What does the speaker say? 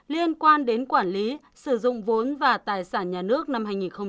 liên quan đến quản lý sử dụng vốn và tài sản nhà nước năm hai nghìn một mươi tám